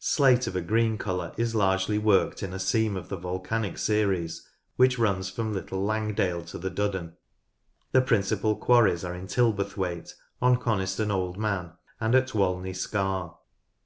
Slate of a green colour is largely worked in a seam of the volcanic series which runs from Little Langdale to the Duddon. The principal quarries are in Tilberthwaite, on Coniston Old Man, and at Walney Scar.